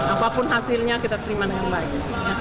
apapun hasilnya kita terima dengan baik